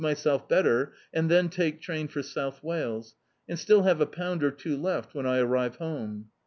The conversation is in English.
db, Google Berry Picking self better, and then take train for South Wales, and still have a pound or two left when I arrive home."